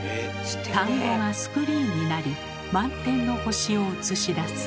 田んぼがスクリーンになり満天の星を映し出す。